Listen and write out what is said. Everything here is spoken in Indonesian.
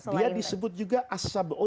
dia disebut juga as sabook